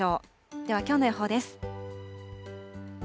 では、きょうの予報です。